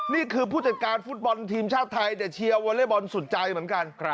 ผู้จัดการฟุตบอลทีมชาติไทยแต่เชียร์วอเล็กบอลสุดใจเหมือนกัน